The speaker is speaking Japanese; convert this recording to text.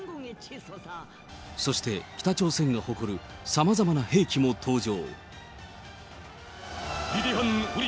そして北朝鮮が誇るさまざまな兵器も登場。